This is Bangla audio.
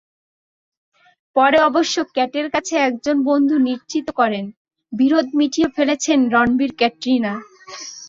পরে অবশ্য ক্যাটের কাছের একজন বন্ধু নিশ্চিত করেন, বিরোধ মিটিয়ে ফেলেছেন রণবীর-ক্যাটরিনা।